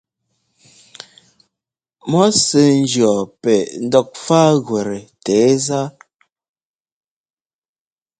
Mɔ̌ sɛ́ njíɔ pɛ ndɔkfágutɛ tɛ̌zá.